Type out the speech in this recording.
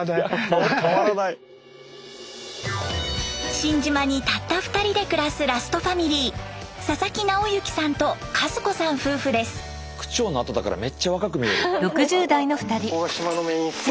新島にたった２人で暮らす区長のあとだからめっちゃ若く見える。